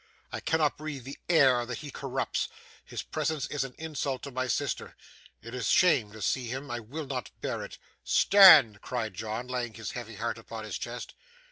I cannot breathe the air that he corrupts. His presence is an insult to my sister. It is shame to see him. I will not bear it.' 'Stand!' cried John, laying his heavy hand upon his chest.